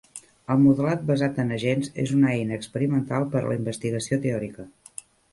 El modelat basat en agents és una eina experimental per a la investigació teòrica.